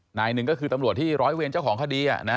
นายหนึ่งก็คือตำรวจที่ร้อยเวรเจ้าของคดี